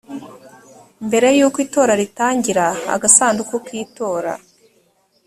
mbere y uko itora ritangira agasanduku k itora